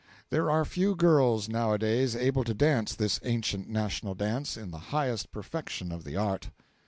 There are few girls now a days able to dance this ancient national dance in the highest perfection of the art.